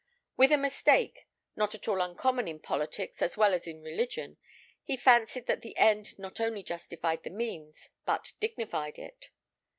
With a mistake, not at all uncommon in politics as well as in religion, he fancied that the end not only justified the means, but dignified it.